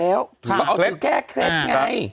ถูกเคล็ดแก้เคล็ดไง